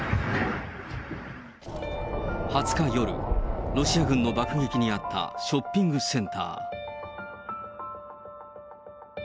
２０日夜、ロシア軍の爆撃に遭ったショッピングセンター。